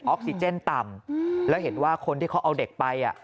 ออกซิเจนต่ำแล้วเห็นว่าคนที่เขาเอาเด็กไปอ่ะ